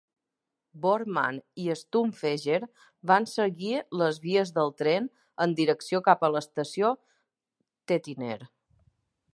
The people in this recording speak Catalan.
Bormann i Stumpfegger van seguir les vies del tren en direcció cap a l"estació Stettiner.